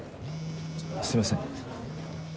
すいません。